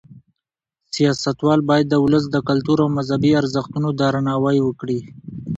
سیاستوال باید د ولس د کلتور او مذهبي ارزښتونو درناوی وکړي.